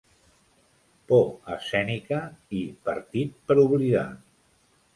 “Por escènica” i “partit per oblidar”.